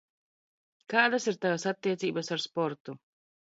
Kādas ir Tavas attiecības ar sportu?